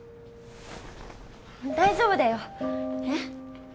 大丈夫だよ。え？